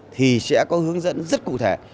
thì sẽ có hướng dẫn rất cụ thể